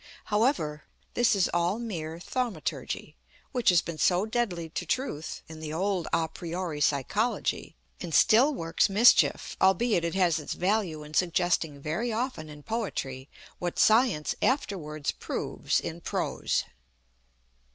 However, this is all mere Thaumaturgy, which has been so deadly to Truth in the old à priori psychology, and still works mischief, albeit it has its value in suggesting very often in Poetry what Science afterwards proves in Prose.